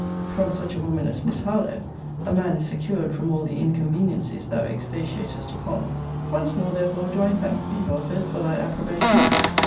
From such a woman as Miss Harlowe, a man is secured from all the inconveniencies thou expatiatest upon. Once more, therefore, do I thank thee, Belford, for thy approbation!